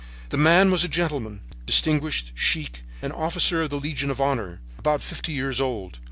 "The man was a gentleman, distingue, chic, an officer of the Legion of Honor, about fifty years old.